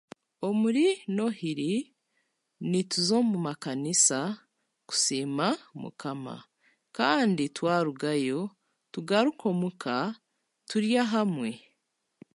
Omuri noohiri nituza omu makanisa kusiima mukama kandi twarugayo tugaruke omuka niturya hamwe.